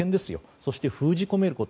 そして封じ込めること。